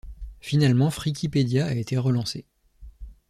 Finalement Frikipedia a été relancé.